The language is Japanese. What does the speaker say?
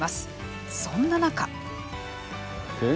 そんな中。